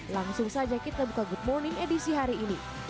langsung saja kita buka good morning edisi hari ini